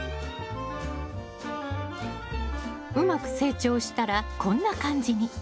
うまく成長したらこんな感じに。